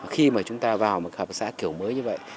khi mà chúng ta vào một hợp tác xã kiểu mới như vậy